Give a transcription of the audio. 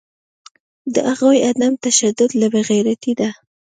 د هغوی عدم تشدد که بیغیرتي ده